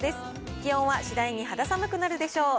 気温は次第に肌寒くなるでしょう。